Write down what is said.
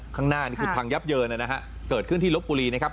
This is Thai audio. ข้างหน้านี่คือพังยับเยินนะฮะเกิดขึ้นที่ลบบุรีนะครับ